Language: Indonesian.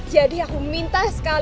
jadi aku minta sekali